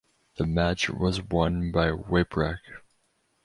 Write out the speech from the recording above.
The match was won by Whipwreck.